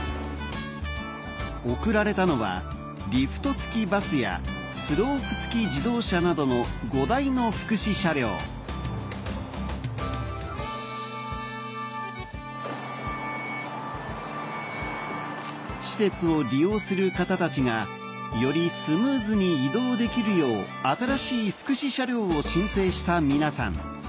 贈られたのはリフト付きバスやスロープ付き自動車などの５台の福祉車両施設を利用する方たちがよりスムーズに移動できるよう新しい福祉車両を申請した皆さん